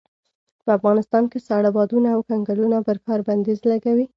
په افغانستان کې ساړه بادونه او کنګلونه پر کار بنديز لګوي.